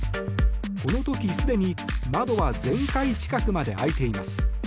この時すでに窓は全開近くまで開いています。